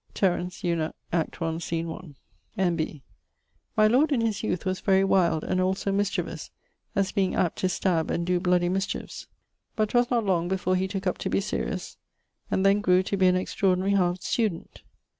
TERENT. Eunuch. Act 1, Scene 1. N.B.: my lord in his youth was very wild, and also mischievous, as being apt to stabbe and doe bloudy mischiefs; but 'twas not long before he tooke up to be serious, and then grew to be an extraordinary hard student.